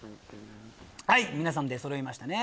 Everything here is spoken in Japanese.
はい皆さん出そろいましたね。